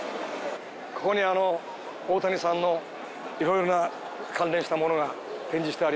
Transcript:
ここに大谷さんの色々な関連したものが展示してあります。